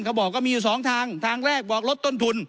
เขาบอกก็มีอยู่สองทางทางแรกบอกลดต้นทุน